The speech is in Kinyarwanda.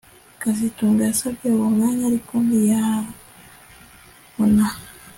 kazitunga yasabye uwo mwanya ariko ntiyabona